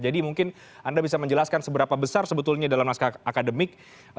jadi mungkin anda bisa menjelaskan seberapa besar sebetulnya dalam masyarakat akademik